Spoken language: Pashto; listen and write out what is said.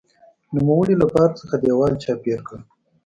نوموړي له پارک څخه دېوال چاپېر کړ.